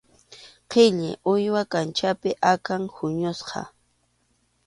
Qhilli, uywa kanchapi akan huñusqa.